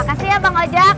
makasih ya bang ojak